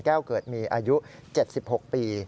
แก้วเกิดมีอายุ๗๖ปี